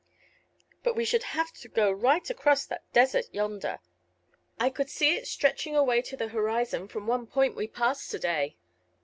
"But we should have to go right across that desert yonder. I could see it stretching away to the horizon from one point we passed to day."